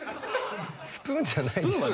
スプーンじゃないでしょ。